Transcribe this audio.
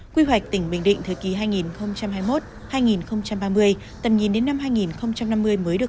quy hoạch tỉnh bình định thời kỳ hai nghìn hai mươi một hai nghìn ba mươi tầm nhìn đến năm hai nghìn năm mươi mới được